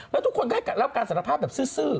แล้วทุกคนก็ให้รับการสารภาพแบบซื่อ